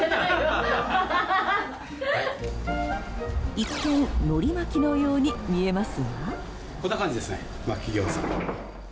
一見、のり巻きのように見えます。